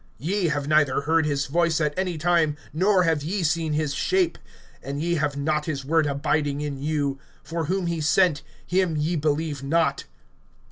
Ye have neither heard his voice at any time, nor have ye seen his shape. (38)And ye have not his word abiding in you; for whom he sent, him ye believe not.